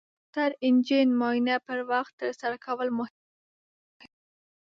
د موټر انجن معاینه په وخت ترسره کول مهم دي.